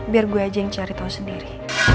biar gue aja yang cari tahu sendiri